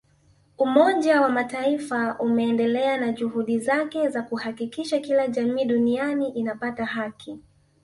Umoja wa Mataifa umeendelea na juhudi zake za kuhakikisha kila jamii duniani inapata haki